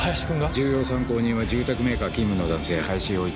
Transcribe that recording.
重要参考人は住宅メーカー勤務の男性林洋一。